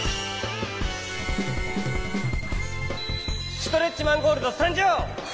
ストレッチマン・ゴールドさんじょう！